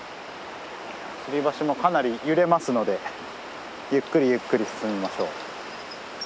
つり橋もかなり揺れますのでゆっくりゆっくり進みましょう。